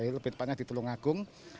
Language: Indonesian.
lebih tepatnya di tulung agung